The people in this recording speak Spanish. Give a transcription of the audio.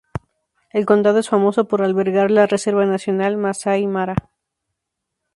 El condado es famoso por albergar la reserva nacional Masái Mara.